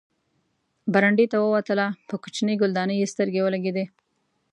برنډې ته ووتله، په کوچنۍ ګلدانۍ یې سترګې ولګېدې.